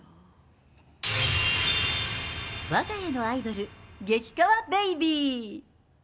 わが家のアイドル、激かわベイビー。